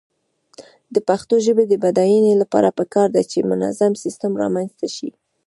د پښتو ژبې د بډاینې لپاره پکار ده چې منظم سیسټم رامنځته شي.